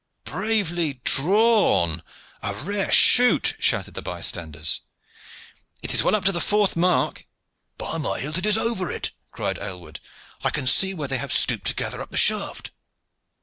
"Bravely drawn! A rare shoot!" shouted the bystanders. "It is well up to the fourth mark." "By my hilt! it is over it," cried Aylward. "I can see where they have stooped to gather up the shaft."